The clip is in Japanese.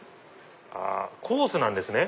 コースなんですね。